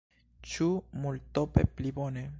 Ĉu multope pli bone?